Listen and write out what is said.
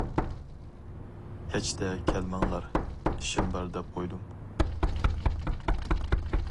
كەچتە كەلمەڭلار، ئىشىم بار دەپ قويدۇم.